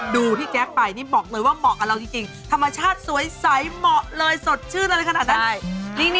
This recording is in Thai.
พี่แจ๊คไปนี่บอกเลยว่าเหมาะกับเราจริงธรรมชาติสวยใสเหมาะเลยสดชื่นอะไรขนาดนั้น